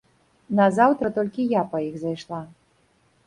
Назаўтра толькі я па іх зайшла.